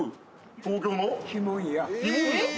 東京の！？